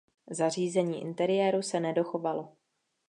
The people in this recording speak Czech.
Zařízení interiéru se nedochovalo.